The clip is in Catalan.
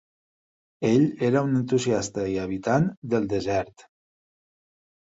Ell era un entusiasta i habitant del desert.